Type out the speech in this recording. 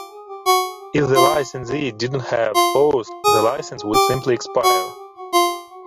If the licensee did not have a spouse, the licence would simply expire.